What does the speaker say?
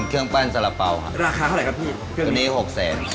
เครื่องนี้เลย๖๐๐๐๐๐บาท